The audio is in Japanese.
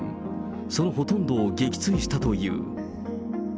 そのほとんどを撃墜したという。